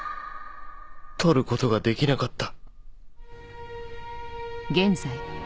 取ることができなかった。